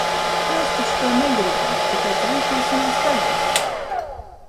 Mēs taču to negribam, tāpēc rīkosimies tagad!